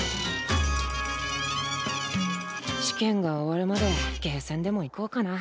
試験が終わるまでゲーセンでも行こうかな。